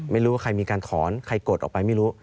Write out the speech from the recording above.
ไม่รู้ว่าใครมีการถอนใครกดออกไปไม่รู้